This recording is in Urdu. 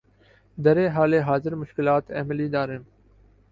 در حال حاضر مشکلات ایمیلی دارم